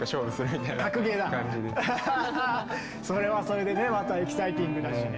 それはそれでねまたエキサイティングだしね。